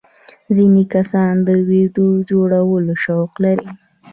ځینې کسان د ویډیو جوړولو شوق لري.